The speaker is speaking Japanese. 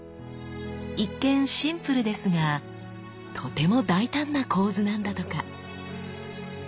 一見シンプルですがとても大胆な構図なんだとか。